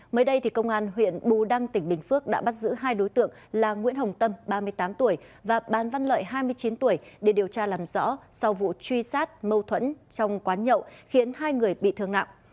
mới đây công an huyện bù đăng tỉnh bình phước đã bắt giữ hai đối tượng là nguyễn hồng tâm ba mươi tám tuổi và bán văn lợi hai mươi chín tuổi để điều tra làm rõ sau vụ truy sát mâu thuẫn trong quán nhậu khiến hai người bị thương nặng